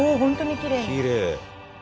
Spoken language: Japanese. きれい。